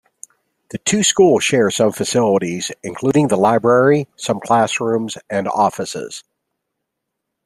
The two schools share some facilities, including the library, some classrooms and offices.